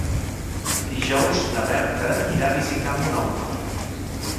Dijous na Berta irà a visitar mon oncle.